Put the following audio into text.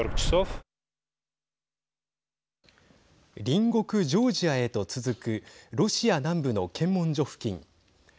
隣国ジョージアへと続くロシア南部の検問所付近。